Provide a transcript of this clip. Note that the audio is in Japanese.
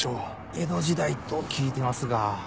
江戸時代と聞いてますが。